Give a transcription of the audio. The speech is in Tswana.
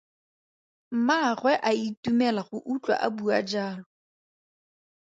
Mmaagwe a itumela go utlwa a bua jalo.